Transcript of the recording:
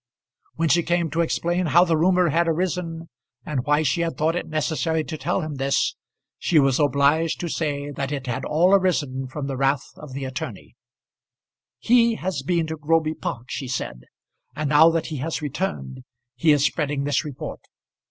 When she came to explain how the rumour had arisen and why she had thought it necessary to tell him this, she was obliged to say that it had all arisen from the wrath of the attorney. "He has been to Groby Park," she said, "and now that he has returned he is spreading this report."